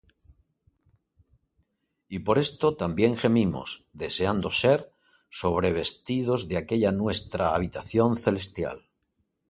Y por esto también gemimos, deseando ser sobrevestidos de aquella nuestra habitación celestial;